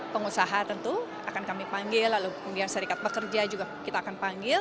pengusaha tentu akan kami panggil lalu kemudian serikat pekerja juga kita akan panggil